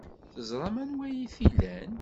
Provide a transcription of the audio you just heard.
Teẓram anwa ay t-ilan.